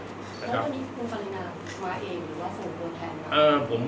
แล้วตอนนี้คุณภรรยามาเองหรือว่าส่งตัวแทนมา